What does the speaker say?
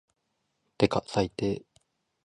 てか最低